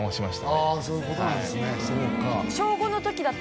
あそういうことなんすね